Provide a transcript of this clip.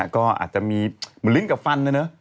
ก็อาจจะมีเหมือนลิ้นกับฟันนะเนอะ